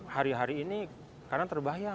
hari hari ini karena terbayang